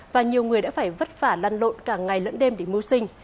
và nhiều người đã phải vất vả lăn lộn cả ngày lẫn đêm để mưu sinh